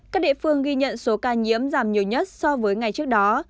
các địa phương ghi nhận số ca nhiễm giảm nhiều nhất so với ngày trước đó